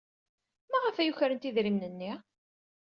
Maɣef ay ukrent idrimen-nni?